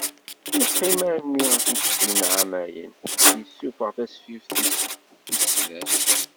Yeqqim armi i d-zzin ɛamayen, i d-yessufeɣ tasfift-is tis ḥdac.